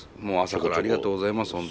もう朝からありがとうございます。